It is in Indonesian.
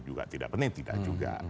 juga tidak penting tidak juga